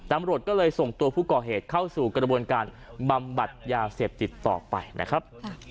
ตำรวจก็เลยส่งตัวผู้ก่อเหตุเข้าสู่กระบวนการบำบัดยาเสพติดต่อไปนะครับ